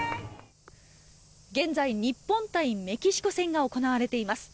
現在、日本対メキシコ戦が行われています。